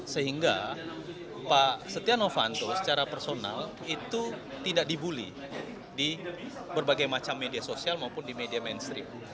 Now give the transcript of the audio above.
sehingga pak setia novanto secara personal itu tidak dibully di berbagai macam media sosial maupun di media mainstream